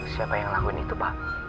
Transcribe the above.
siapa yang lakuin itu pak